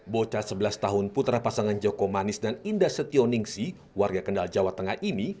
bocah sebelas tahun putra pasangan joko manis dan indah setioningsi warga kendal jawa tengah ini